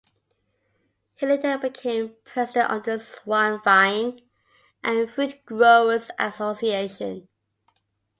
He later became President of the Swan Vine and Fruit Growers Association.